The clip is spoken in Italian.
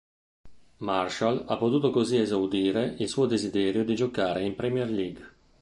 Marshall ha potuto così esaudire il suo desiderio di giocare in Premier League.